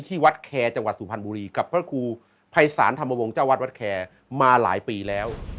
ที่วัดแคร์จังหวัดสุพรรณบุรีกับพระครูภัยศาลธรรมวงศ์เจ้าวัดวัดแคร์มาหลายปีแล้ว